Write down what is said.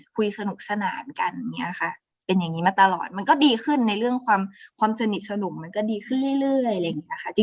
คุยสนุกสนานกันเป็นอย่างนี้มาตลอดมันก็ดีขึ้นในเรื่องความสนิทสนุกมันก็ดีขึ้นเรื่อย